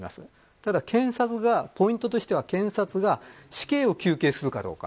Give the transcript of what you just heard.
ただ検察がポイントとして死刑を求刑するかどうか。